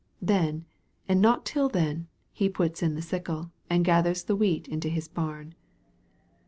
Then, and not till then, he puts in the sickle, and gathers the wheat into his barn.